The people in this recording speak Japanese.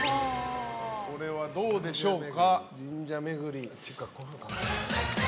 これはどうでしょうか。